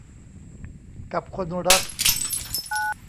กับคนรัก